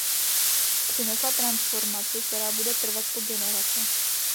Přinesla transformaci, která bude trvat po generace.